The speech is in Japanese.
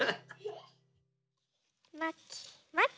まきまき。